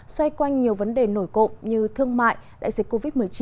xoay quanh nhiều vấn đề nổi cộng như thương mại đại dịch covid một mươi chín